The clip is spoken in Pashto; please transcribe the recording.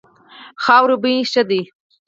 خاورې بوی ښه دی.